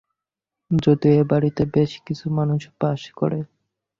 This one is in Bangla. যদিও এ-বাড়িতে বেশ কিছু মানুষ বাস করে।